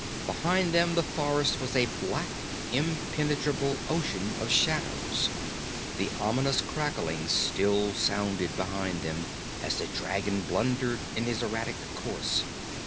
Behind them the forest was a black impenetrable ocean of shadows. The ominous crackling still sounded behind them, as the dragon blundered in his erratic course.